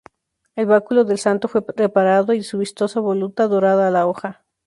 El báculo del santo fue reparado y su vistosa voluta dorada a la hoja.